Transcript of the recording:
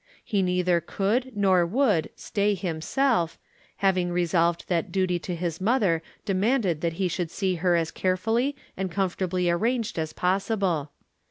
He .neither could nor would stay him self, having resolved that duty to his mother de manded that he should see her as carefully and comfortably arranged as possible.